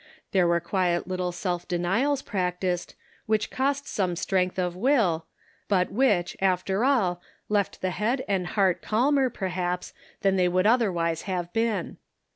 There were quiet little self denials practiced which cost some strength of will, but which after all left the head and heart calmer, perhaps, than they would otherwise have been.